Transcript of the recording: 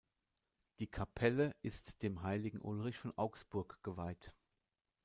Die Kapelle ist dem Heiligen Ulrich von Augsburg geweiht.